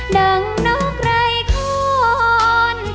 ดังนอกไร้คน